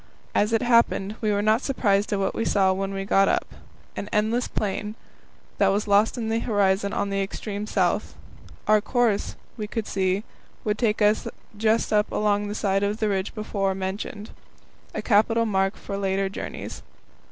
As it happened, we were not surprised at what we saw when we got up an endless plain, that was lost in the horizon on the extreme south. Our course, we could see, would take us just along the side of the ridge before mentioned a capital mark for later journeys.